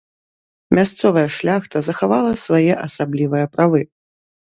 Мясцовая шляхта захавала свае асаблівыя правы.